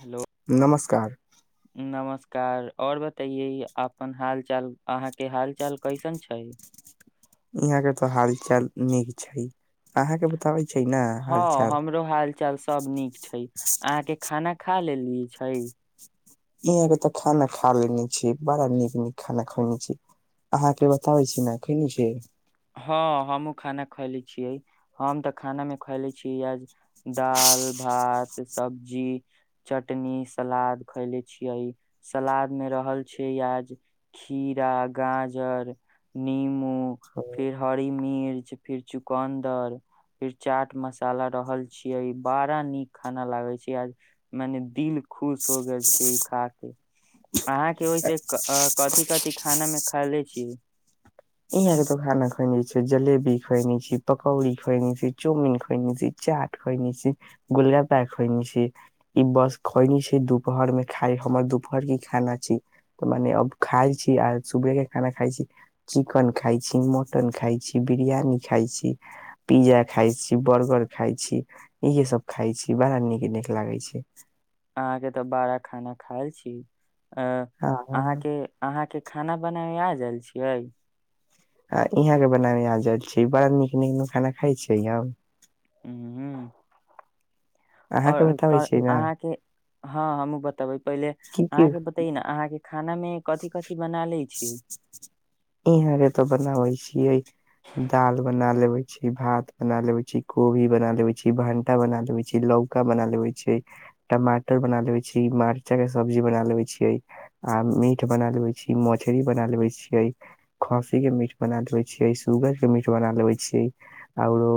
Hello नमस्कार नमस्कार और बताइये अपन हाल चाल, अहाँ के हाल चाल कैसन छै। यहाँ के त हाल चाल नीक छै, अहाँके बताबै छै ने हँ हालचाल हमरो हाल चाल सभ नीक छै, अहाँके खाना खा लेल ई छै यहां के तऽ खाना खा लेने छी ने बड़ा नीक नीक खाना खैने छी अहाँ के बताबे छी ने खेने छी हँ हमहूँ खाना खयले छियै। हम तऽ खानामे खयले छियै आाज दाल, भात, सब्जी, चटनी, सलाद खयले छियै। सलादमे रहल छै आाज खीरा, गाजर, निमू फिर हरी मिर्च फिर चुकन्दर फिर चाट मसाला रहल छियै, बाड़ा नीक खाना लागे छै आ मने दिल खुश हो गेल छै ई खा के। अहाँ के ओहिस कथी कथी खाना मे खा लै छीयै? इह के त खाना खयने छै, जलेबी खयने छी, पकौड़ी खयने छी, चाउमीन खयने छी, चाट खयने छी, गोलगप्पा खयने छी ई बस खयनी छै दुपहर मे खाय हमर दुपहर के खाना छी त मने अब खाय छी आ सुबह के खाना खाय छी चिकन खाई छी, मटन खाई छी, बिरयानी खाई छी, पिज्जा खाई छी, बर्गर खाई छी इहेसभ खाई छी बड़ा नीक नीक लागै छै। अहाँके तऽ बाड़ा खाना खाय छी। अ हाँ अहाँके अहाँके खाना बनाबे आ जायल छियै? आ इहाँके बनाबे आ जायल छी बड़ा नीक नीक नु खाना खाइ छियै अब हूं अहाँके बतबै छियै न अहाँके हँ हमूँ बतबै पहिले अहाँके बतै न अहाँके खानामे कथि कथि बना लै छी इहाँले तऽ बनाबै छियै दाल बना लेबै। छी, भात बना लेवै छी, कोभी बना लेबै, छी भंटा बना लेबै छी, लौका बना लेबै छी, टमाटर बना लेबै छी, मर्चा के सब्जी बना लेवे छीयै आ मीट मीट बना लेेबै छी, मछरी बना लेबे छियै, खंस्सी के मीट बना लेबे छियै, सुूगर के मीट बना लेबे छियै आउरो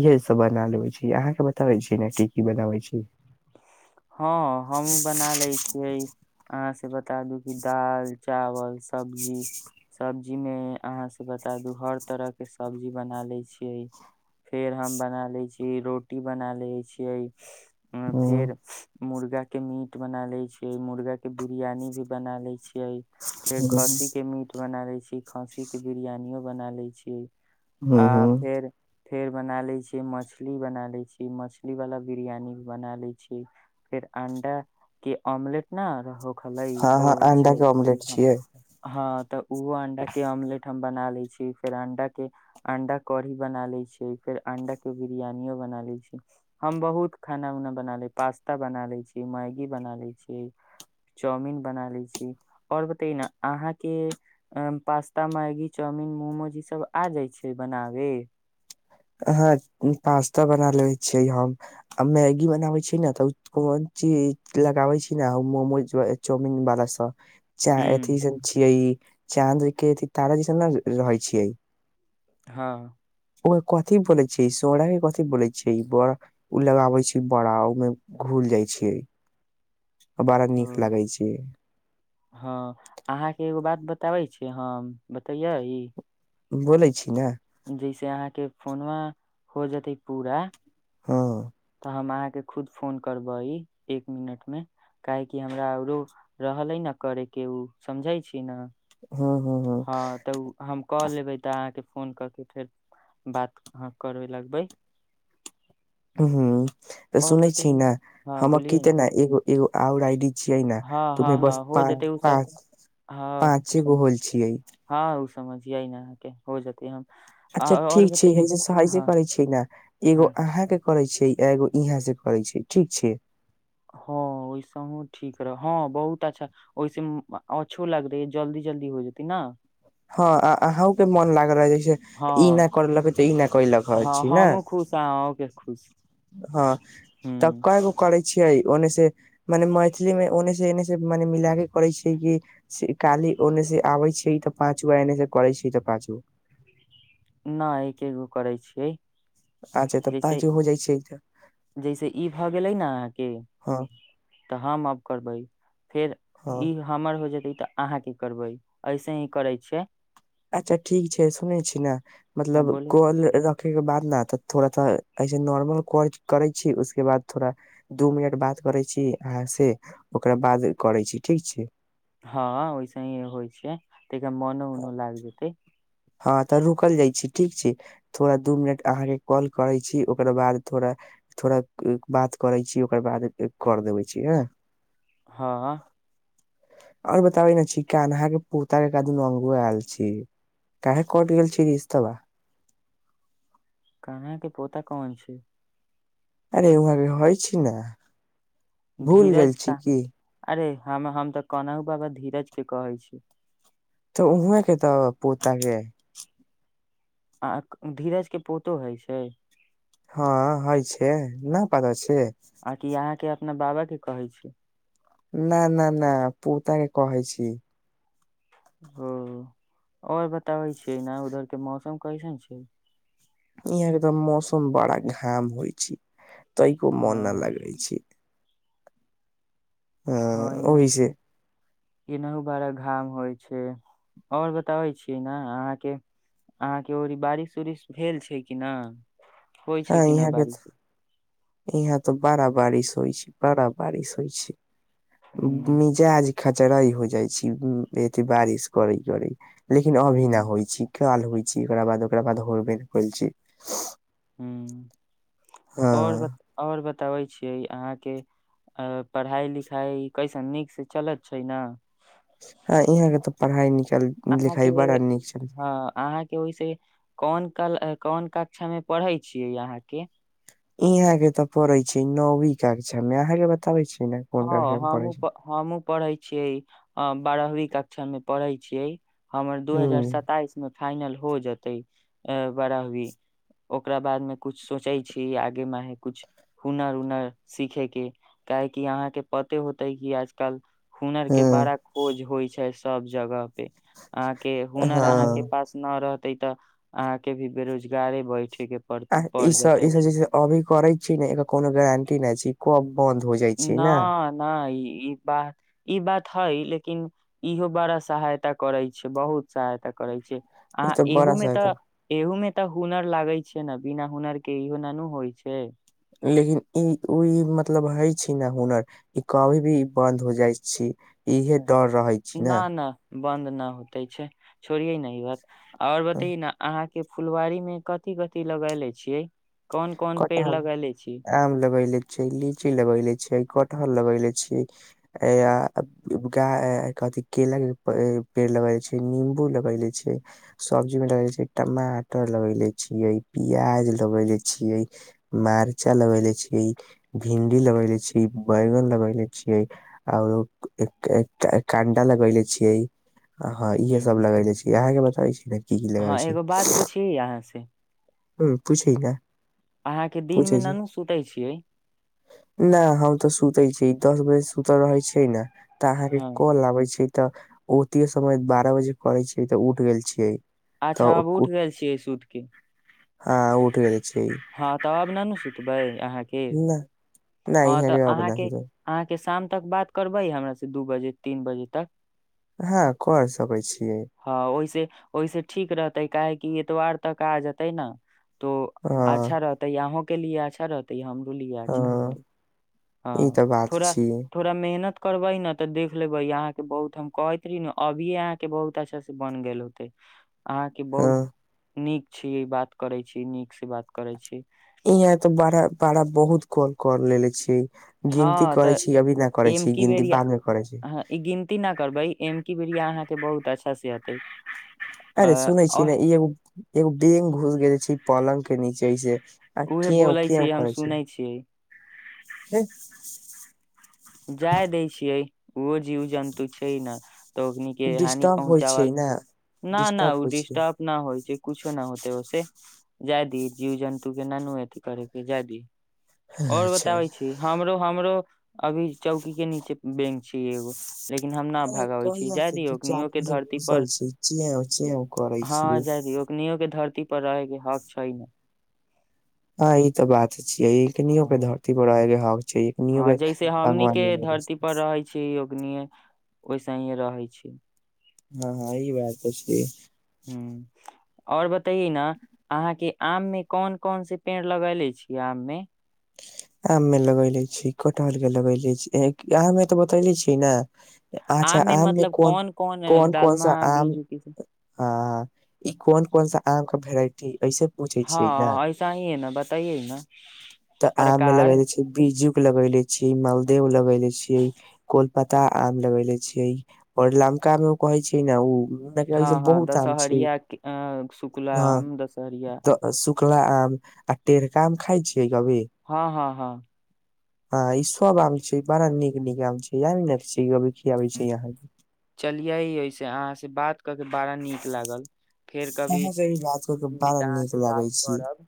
इहे सब बना लेबै छी अहाँ के बताबे छी ने की की बनाबे छी। हँ हमू बना ले छियै आंस बता दू कि दाल, चावल सब्जी सब्जीमे अहाँ से बता दू हर तरहके सब्जी बना लै छियै फेर हम बना लै छियै रोटी बना लै छियै अं ह फेर मुर्गा के मीट बना ले छीयै मुर्गा के बिरियानी भी बना ले छै यई फेर खस्सी के मीट बना लै खस्सी के बिरियानियो बना लै छीयै। आ ह फेर फेर बना लै छीयै मछली बना लै छी मछलीवला बिरियानी भी बना लै छीयै फेर अंडा के ओमलेट न रहउ खलइ हँ हो हँ अंडा छै के ऑमलेट छियै हँ तऽ ऊ अंडा के ऑमलेट हम बना लै छी फेर अंडा के अंडा कढ़ी बना लै छीयै फेर अंडा के बिरयानियो बना लै छी हम बहुत खाना ऊना बना ले पास्ता पास्ता बना ले छी मैगी बना लै छीय चाउमिन बना ले छी ओर बतय न अहाँ के पास्ता मैगी चाउमिन मोमोज ई सब आ जाइ छै बनावे। ह पास्ता बना ले छियै हम आ मैगी बनाबे छीियै ने तऽ कोन चीज लगाबे छी ने मोमोज चाउमिन वाला सब। च हू अथी सब छिय ई। चाँद केथ तारा जसन ने रहै छियै। हँ। ओर कथि बोले छीयै सोडा के कथी बोले छैै बड ऊ लगाबे छीयै बड़ा ओहिमे घूल जाइ छैै ह हँ अहाँके एगो बात बताबै छीयै हम बतैये ई। बोलै छी न। जैसे अहाँके फोन मे हो जेते पूरा। ओ तऽ हम अहाँके खुद फोन करबै एक मिनटमे काहेकि हमरा आओरो रहलै न करैके ओ समझै छी ने। हँ तऽ हम कऽ लेबै तऽ अहाँके। फोन कऽ के फेर बात अह करबे लगबै। ह तऽ आओर सुनै बते छी ने हँ हम की बोलिये ते ने एगो। एगो आउर आइडी। छिय न हँ तु हँ [unintelligible] हँ बस हो पाँच जेतै ओ सब पाँच हँ पाँचे गो होल छिय। समझिय न आके हो जेतै हम। अच्छा आओर ठीक बते छै हँ सहजे हँ करै छी न एगो हँ अहाँके। करै छैै एगो इहे से करै छै ठीक छै। हँ ओहिसँ ठीक रह हँ बहुत अच्छा ओहिस अच्छो लगतै जल्दी जल्दी हो जेतै ने। हँ अहूँके मन लागल रह जै ई हँ नहि करलक तऽ ई नहि कलक हँ छी ने। हमहूँ खुश आ अहूँके खुश हँ ह तऽ कै गो क करै छियै ओन्ने से मने मैथिली मे ओन्ने से एने से मने मिलाक करै छियै कि से काली ओन्ने से आबै छै तऽ पाँच गो एने से करै छै तऽ पाँच गो। नहि एके गो करै छियै। अच्छा तऽ जैसे पाँच गो हो जाइ छै तऽ जैसे ई भऽ गेलै ने अहाँके हँ तऽ हम अब करबै फेर हँ ई हमर हो जेतै। तऽ अहाँ की करबै ऐसे ही करै छियै। अच्छा ठीक छै सुनेै छी ने हँ मतलब बोली कॉल र देखे के बाद ने त थोड़ा त ऐसे नॉर्मल क करै छी उसके बाद थोड़ा दू मिनट बाद करै छी अहाँ से ओकरा बाद करै छी ठीक छै। हँ ओहिसे ही होइ छै। तैक मनो उनो लागदतै। हँ तऽ रुकल जाइत छी ठीक छी थोड़ा दू मिनट अहाँके कॉल करैत छी ओकर बाद थोड़ा थोड़ा बात करै छी ओकर बाद कर देबै छी हँ। हँ। और बताबै ने छी कान्हा अहाँके पोत के कादन अंगो आयल छी। काहे कट गेल छै रिश्तबा। कान्हा के पोता कोन छै। अरे इ भ होइ छी ने। भूल गेल धीरज छी का कि। अरे हम, हम ते कोनाहु बाबा धीरज के कहै छी। तऽ उहाँ के ते पोता के आक धीरज के पोतो हय छै। हाँ हय छै ना पता छै। आकि अहाँके अपना बाबा के कहै छी। न न न पो के कहै छी। ओ आओर बताबै छियैना उधरके मौसम कैसन छै। ई एगदम मौसम बड़ा घाम होय छी। तैको मन ना ह लागे छी। हां ओहि से। ईनहु बड़ा घाम होय छै और बताबै छी ना अहाँ के, अहाँ के ओड़ी बारिश-उरिश भेल छै कि ना। हाँ इहाँ पे तो, इहाँ तो बड़ा बारिश होय छै, बड़ा बारिश होय छै। ह उ मिजाज खचराइ हो जाय छी, उम्म एते बारिश करै-करै। लेकिन अभी ना होय छिक। काल होय छी, ओकरा बाद, ओकरा बाद होबे ना करै छी। और ब और ब ताबै छीये अहाँ के अ पढ़ाई-लिखाई कैसन नीक से चलत छै ना। हाँ इहाँ के ते पढ़ाई नीक अहाँ के लिखाई बड़ा चलै छै। हाँ अहाँ के ओय से कोन कल, अ कोन कक्षा मे पढ़ै छियै अहाँ के। इहां के ते पढ़े छै नौवी कक्षा मे, अहाँ के बताबे छी ने कोन हाँ कक्षा में पढ़ै हमू छी प हमूँ पढ़ै छियै। अ बारहवीं कक्षा मे पढ़ै छियै। हमर दू हजार हूँ सताइस मे फाइनल हो जेतै ए बारहवीं, ओकरा बाद मे कुछ सोचे छी आगे मे हय कुछ हुनर-उनर सीखे के काहे कि अहाँ के पते होते कि आज-काल हुनर के हँ बड़ा खोज होय छै। सब जगह पे, अहाँ के हुनर अहाँ के हँ पास ना रह ते तऽ अहाँ के भी बेरोजगारे बै आ इ सब ई सब जे छै अभी करै छी ने एकर कोनो गारंटी नै छी। [unintelligible] जाइ छै ने ना-ना ई ई बात, ई बात हइ, लेकिन इहो बड़ा सहायता करै छै बहुत सहायता करै छै। आ ई तऽ एहु बड़ा मे त सहायता एहु में त हुनर लागै छै। छियै ना, बिना हुनर के इहो ना नु होइ छै। लेकिन ई ई ई मतलब हइ छी ने हुनर ई कभी भी बन्द हो जाइ छी इहे डर रहै छी न ने? न बन्द ना होते छै, छोड़िये नै ई बात। और बताई ना अहाँ के फुलवाारी मे कथि कथि लगेले छियै? कोन कोन पेड़ कटहर, लगेले छी आम लगेले छियै, लीची लगेले छियै, कटह हर लगेेले छियै, केला के पेड़ लगेेले छियै निंबू लगेेले छियै, सब्जी मे लगे टमाटर लगेेले छिये प्याज लगे छियै, मार्चा लगेले छियै, भिंडी लगेले छियै, बैगन लगेले छियै और कंडा लगैले छियै। हां, इहे सब लगेले छियै। इ अहांके पता अछि कि नै? हां एगो बात पुछि अहाँ से? हुं पूछि ने। अहाँ के दिन पूछे मे छी। न नु सुते छियै न हम त सुतै छी। दस बजे सुति रहै छियै ने। त अहाँके हँ काल आबै छै। त ओते समय बारह बजे करै छियै त उठ गेल छियै। अच्छा आब उठि गेल छियै सुतके। हां उठि गेल छियै हां त आब नानु सुतबै अहां नहि, नहि हर अब नै। के शाम तक बात करबै हमरा से दु बजे तीन बजे तक। हां क सकै छियै। ओहिसं ठीक रहतै काहेकि एतबार तक आ जेतै न। हँ अच्छा रहतै अहुं कनि अच्छा रहतै हम। खुली अच्छा हँ रहतै हां ई तऽ बात थोड़ा छियै थोड़ा मेहनत। करबै ने त देख लेबै अहाँके बहुत, हम कहैत रहि ने अभिये अहाँके बहुत अच्छा से बनि गेल होते। अहाँके हँ बहुत, नीक छियै बात करै छियै नीक से बात। करै छियै। यहाँ त बड़ा बड़ा बहुत काल कर लेेने छियै। गिनती हँ करै तऽ छी अभी न करै छी एमकी गिनती बेरिया बाद मे करै छी हँ ई गिनती नहि करबै एमकी बेरिया अहाँके बहुत अच्छासँ हत [unintelligible] अरे सुनै छीय ने एगो एगो बैंग घुस गेल छीय। पलङ्गके नीचेसँ उहे बोलै छियै हम सुनै छियै। हुं। जाय दै छियै। ओ [unintelligible] जीव जन्तु छैय ने तऽ ओन के हानि डिस्टर्ब होइ छै पहुँचावल ने न न डिस्टर्ब ओ होइ छै डिस्टर्ब नहि होइ छैय। कुछो न होतै ओेसे जायदी जीव जन्तु के न नु एथि करेके जायदी। और अच्छा बताबै छी हमरो हमरो। अभी चौकी के नीचे बैंक छै एगो। लेकिन हम न भगाबै छी कहिया जाय से दू चार दीनियो के दिन से धरती घुसल पर छी चेव चेव करै हँ छियै जाय दीयो दीनियो के धरती ती पर रहाके हक छाय। हँ ई तऽ बात छिय ईनके ह धरती पर हक छै एकनियो हँ के जैसे हमनी भगवान के बनेले धरती छै। पर रहे छी योगनीय ओसहिए रहै छी। हँँ ई बात छैय। हूँ। और बतैए ने अहाँके आम मे कोन कोन से पेड़ लगेले छियै आम मे। आम मे लगैले छी कटहल के लगैले छी आम मे तऽ बतैले छी ने। अच्छा मे आम में मतलब कोन कोन कोन सा डालमा आम बीज आ ई कोन कोन सा आम का वेराइटी ऐसे पूछे छियै ने हँ ऐसा ही है ना बताइए न। तऽ आम मे प्रकार लगाइले छी बी बीजुक लगेले छी मालदेव लगेले छी कोलपतहा आम लगेेले छी और लमका में उ कहे छैय न उ हँ हँ बहुत आम छै दशहरिया शुकुला आम दशहरिया चकला आम आ टेरका आम खाइ छी। हँ, हँ, हँ। हँ ईसब आम छैय बड़ा नीक नीक आम छैय ने आही ने। कभी खियाबे छै अहाँ के चलियै एसे अहाँ से बात क के बड़ा नीक लागल फेर कभी अहाँ से ई बात कर के बड़ा अहाँ नीक से बात लागे करब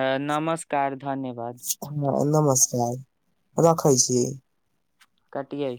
अ नमस्कार धन्यवाद हाँ नमस [unintelligible] रखै छी। कटिये।